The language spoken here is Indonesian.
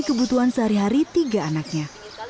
kebutuhan sehari hari tiga anaknya